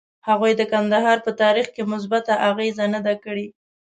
هغوی د کندهار په تاریخ کې مثبته اغیزه نه ده کړې.